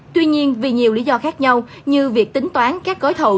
tuy nhiên vì nhiều lý do khác nhau như việc tính toán các gói thầu